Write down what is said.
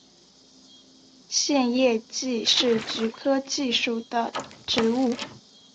线叶蓟是菊科蓟属的植物。